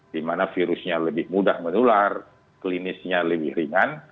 di mana virusnya lebih mudah menular klinisnya lebih ringan